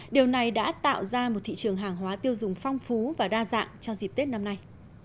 điều này đã tạo ra một thị trường hàng hóa tiêu dùng phong phú và đa dạng cho dịp tết năm nay